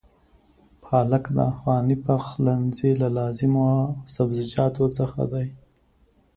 پالک د افغاني پخلنځي له لازمو سبزيجاتو څخه دی.